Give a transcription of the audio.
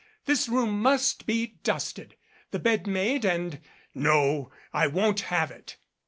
This room must be dusted, the bed made and "No. I won't have it."